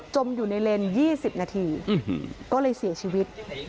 จมอยู่ในเลนส์ยี่สิบนาทีก็เลยเสียชีวิต